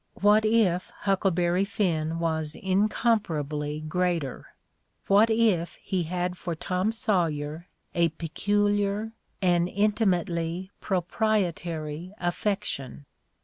What if "Huckleberry Finn" was in comparably greater? What if he had for "Tom Saw yer" a peculiar, an intimately proprietary, affection?